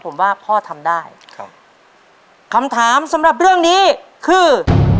ผมว่าพ่อทำได้ครับคำถามสำหรับเรื่องนี้คือ